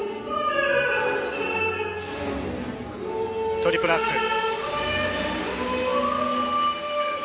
トリプルアクセル。